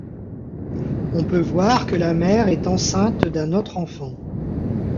On peut voir que la mère est enceinte d'un autre enfant.